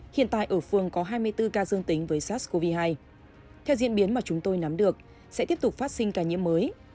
hiện tại ở phường có hai mươi bốn ca dương tính với sars cov hai theo diễn biến mà chúng tôi nắm được sẽ tiếp tục phát sinh ca nhiễm mới